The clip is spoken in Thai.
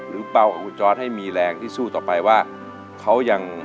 หรือเปล่ากับคุณจอสให้มีแรงที่สู้ต่อไปว่า